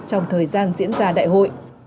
trong thời gian diễn ra đại hội